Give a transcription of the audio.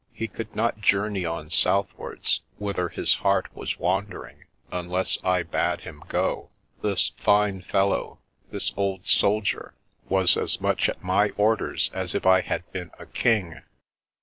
He could not journey on southwards, whither his heart was wandering, unless I bade him go. This fine fellow, this old soldier, was as much at my orders as if I had been a king.